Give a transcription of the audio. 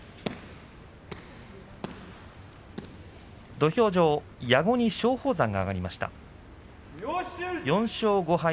土俵上は、矢後に松鳳山が上がりました。